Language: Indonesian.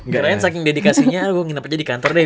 karena saking dedikasinya gue nginep aja di kantor deh